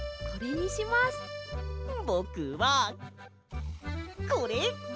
ぼくはこれ！